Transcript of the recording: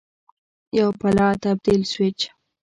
یو پله تبدیل سویچ